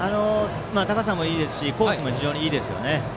高さもいいですしコースも非常にいいですね。